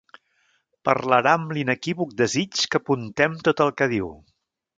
Parlarà amb l'inequívoc desig que apuntem tot el que diu.